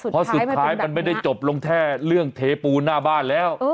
เพราะสุดท้ายมันไม่ได้จบลงแค่เรื่องเทปูนหน้าบ้านแล้ว